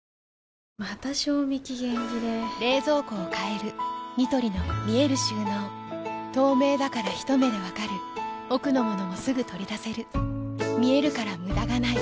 また賞味期限切れ冷蔵庫を変えるニトリの見える収納透明だからひと目で分かる奥の物もすぐ取り出せる見えるから無駄がないよし。